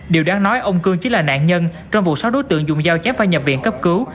điều đáng nói ông cương chứ là nạn nhân trong vụ sáu đối tượng dùng dao chép vào nhập viện cấp cứu